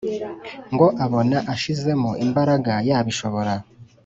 ngo abona ashizemo imbaraga yabishobora